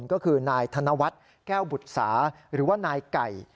ก็คือนายธนวัฒน์แก้วบุษาหรือว่านายไก่